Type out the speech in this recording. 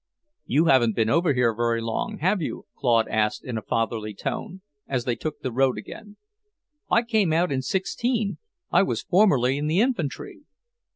"You haven't been over very long, have you?" Claude asked in a fatherly tone, as they took the road again. "I came out in 'sixteen. I was formerly in the infantry."